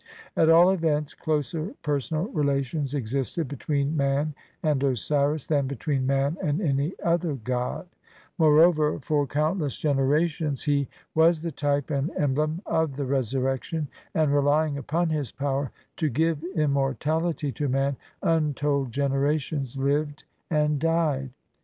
At all events, closer personal relations existed between man and Osiris than between man and any other god ; moreover, for countless generations he was the type and emblem of the resurrection, and, relying upon his power to give immortality to man, untold generations lived and died.